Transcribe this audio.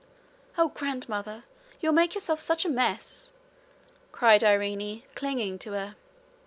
'Oh, grandmother! You'll make yourself such a mess!' cried Irene, clinging to her.